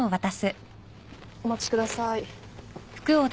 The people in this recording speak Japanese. お待ちください。